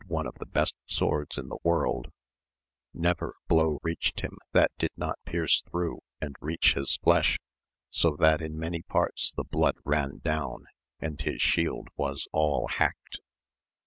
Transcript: one of the best swords in the world, never blow AMADI8 OF GAUL. 97 i%ached him that did not pierce through and reach his flesh, so that in many parts the blood ran down, and his shield was all hacked.